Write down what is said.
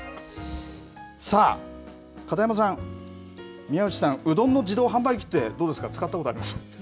片山さん、宮内さん、うどんの自動販売機って、どうですか、使ったことあります？